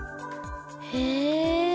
へえ。